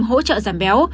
hỗ trợ giảm béo